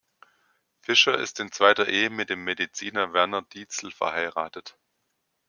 Fisher ist in zweiter Ehe mit dem Mediziner Werner Dietzel verheiratet.